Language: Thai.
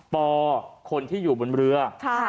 ปคนที่อยู่บนเรือ